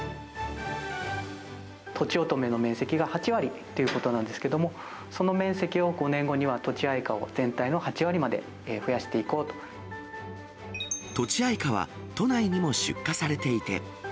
とちおとめの面積が８割っていうことなんですけれども、その面積を５年後にはとちあいかを全体の８割まで増やしていこうとちあいかは、都内にも出荷されていて。